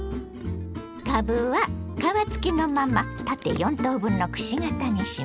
かぶは皮付きのまま縦４等分のくし形にします。